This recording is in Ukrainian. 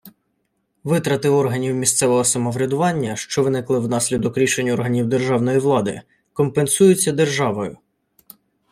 Витрати органів місцевого самоврядування, що виникли внаслідок рішень органів державної влади, компенсуються державою